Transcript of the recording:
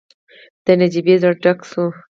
د نجيبې زړه ډک شو.